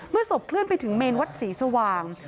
ศพเคลื่อนไปถึงเมนวัดศรีสว่าง